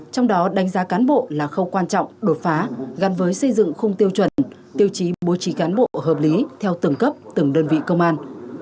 trong đó đánh giá cán bộ là khâu quan trọng đột phá gắn với xây dựng khung tiêu chuẩn tiêu chí bố trí cán bộ hợp lý theo từng cấp từng đơn vị công an